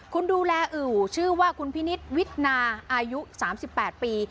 คุณดูแลอู่ชื่อว่าคุณพินิษฐ์วิทนาอายุ๓๘ปี